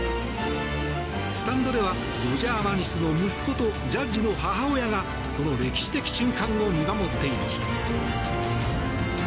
スタンドではロジャー・マリスの息子とジャッジの母親がその歴史的瞬間を見守っていました。